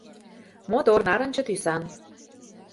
Мотор, нарынче тӱсан